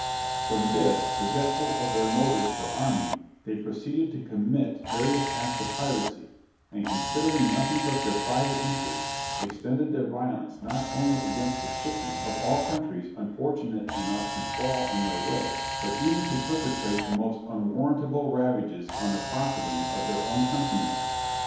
From this, forgetful of their motives for arming, they proceeded to commit various acts of piracy, and considering nothing but their private interests, extended their violence not only against the shipping of all countries unfortunate enough to fall in their way, but even to perpetrate the most unwarrantable ravages on the property of their own countrymen.